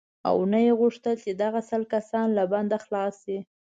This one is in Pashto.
او نه یې غوښتل چې دغه سل کسان له بنده خلاص شي.